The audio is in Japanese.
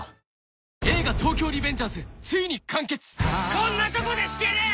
「こんなとこで引けねえ！」